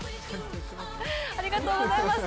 ありがとうございます。